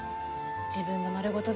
自分の丸ごと